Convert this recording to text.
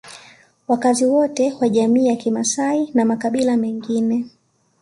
Wakazi wote wa jamii ya kimasai na makabila mengine